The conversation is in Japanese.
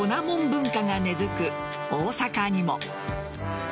文化が根付く大阪にも。